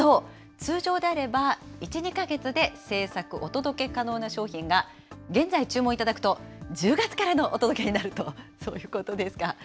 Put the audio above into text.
通常であれば、１、２か月で製作、お届け可能な商品が、現在、注文いただくと１０月からのお届けになると、そういうことですか。